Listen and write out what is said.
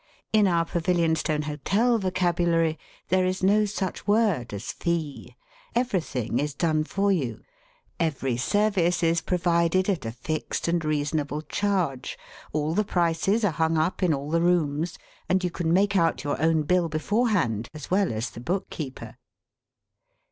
In our Pavilionstone Hotel vocabulary, there is no such word as fee. Everything is done for you; every service is provided at a fixed and reasonable charge; all the prices are hung up in all the rooms; and you can make out your own bill beforehand, as well as the book keeper.